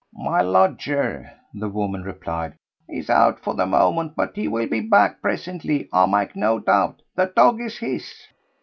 "My lodger," the woman replied. "He is out for the moment, but he will be back presently I make no doubt. The dog is his.